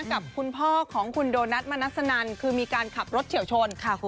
กับคุณพ่อของคุณโดนัทมนัสนันคือมีการขับรถเฉียวชน